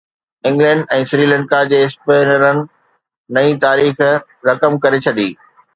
England ۽ Sri Lanka جي اسپنرن نئين تاريخ رقم ڪري ڇڏي